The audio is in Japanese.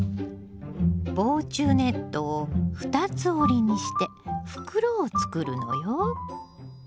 防虫ネットを２つ折りにして袋を作るのよ。